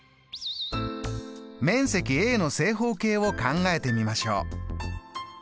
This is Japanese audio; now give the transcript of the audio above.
面積の正方形を考えてみましょう。